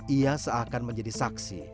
ia seakan menjadi saksi